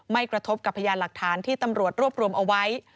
กระทบกับพยานหลักฐานที่ตำรวจรวบรวมเอาไว้